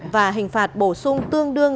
và hình phạt bổ sung tương đương